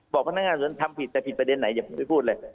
บอกพนักงานว่าทำผิดแต่ผิดประเด็นไหนอย่าไปพูดเลย